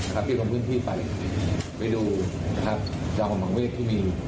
เอาพี่คนเพื่อนพี่ไปดูเจ้าหัวหมังเวศที่มี